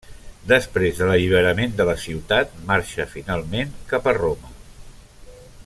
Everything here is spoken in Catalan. Després de l'alliberament de la ciutat marxa finalment cap a Roma.